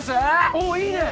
おおいいね！